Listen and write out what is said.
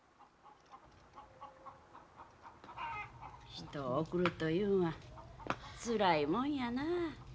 人を送るというんはつらいもんやなあ。